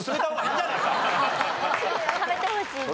食べてほしいです。